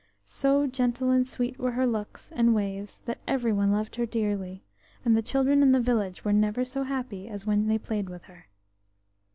So gentle and sweet were her looks and ways that every one loved her dearly, and the children in the village were never so happy as when they played with her.